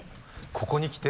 ここにきて？